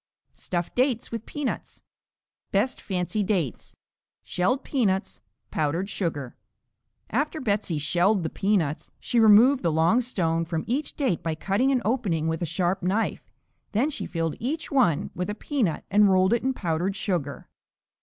Stuffed Dates with Peanuts Best fancy dates. Peanuts (shelled). Powdered sugar. After Betsey shelled the peanuts she removed the long stone from each date by cutting an opening with a sharp knife, then she filled each one with a peanut and rolled it in powdered sugar.